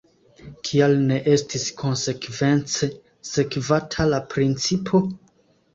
Kial ne estis konsekvence sekvata la principo?